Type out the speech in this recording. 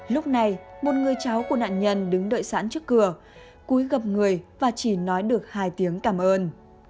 lúc này một người cháu của nạn nhân đứng đợi sẵn trước cửa cúi gặp người và chỉ nói được hai tiếng cảm ơn